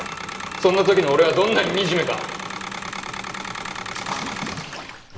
そんな時の俺はどんなに惨めか。